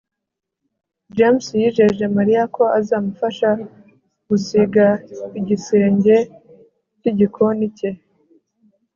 james yijeje mariya ko azamufasha gusiga igisenge cy'igikoni cye